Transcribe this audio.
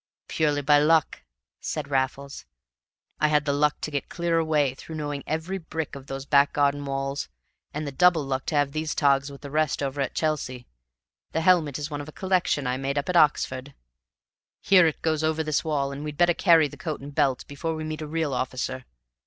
"Purely by luck," said Raffles. "I had the luck to get clear away through knowing every brick of those back garden walls, and the double luck to have these togs with the rest over at Chelsea. The helmet is one of a collection I made up at Oxford; here it goes over this wall, and we'd better carry the coat and belt before we meet a real officer.